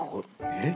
えっ？